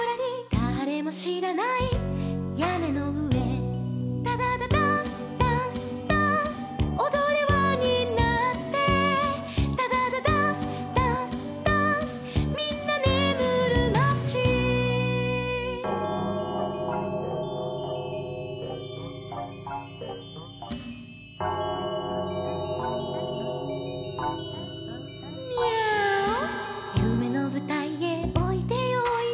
「だれもしらないやねのうえ」「ダダダダンスダンスダンス」「おどれわになって」「ダダダダンスダンスダンス」「みんなねむるまち」「ミャーオ」「ゆめのぶたいへおいでよおいで」